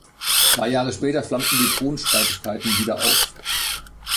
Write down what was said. Zwei Jahre später flammten die Thronstreitigkeiten wieder auf.